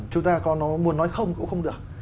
chúng ta có muốn nói không cũng không được